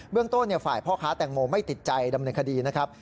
เรื่องต้นฝ่ายพ่อค้าแตงโมไม่ติดใจดำเนินคดีนะครับ